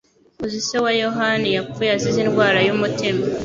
Uzi se wa Yohani yapfuye azize indwara y'umutima?